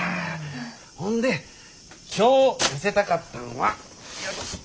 ほんで今日見せたかったんはこれや。